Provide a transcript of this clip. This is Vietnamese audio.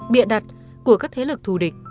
bịa đặt của các thế lực thù địch